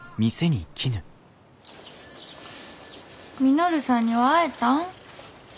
稔さんには会えたん？